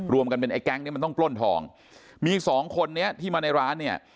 รวมกันเป็นไอ้แก๊งเนี้ยมันต้องปล้นทองมีสองคนนี้ที่มาในร้านเนี่ย